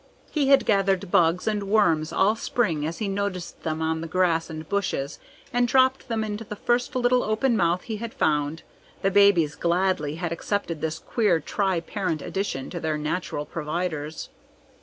He had gathered bugs and worms all spring as he noticed them on the grass and bushes, and dropped them into the first little open mouth he had found. The babies gladly had accepted this queer tri parent addition to their natural providers.